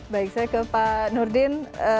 baik saya ke pak nurdin